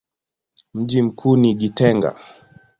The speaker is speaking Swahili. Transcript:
Mji mkuu ni Gitega.